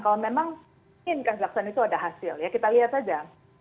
kalau memang mungkin kazakhstan itu ada hasil ya kita lihat aja